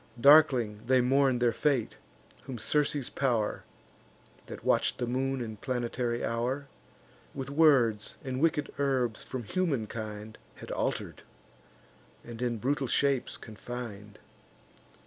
Darkling they mourn their fate, whom Circe's pow'r, (That watch'd the moon and planetary hour,) With words and wicked herbs from humankind Had alter'd, and in brutal shapes confin'd.